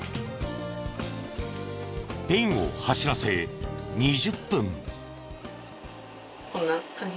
ペンを走らせ２０分。